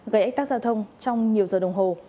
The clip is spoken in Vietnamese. gây ách tác giao thông trong nhiều giờ đồng hồ